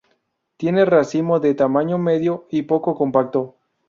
Tiene racimo de tamaño mediano y poco compacto.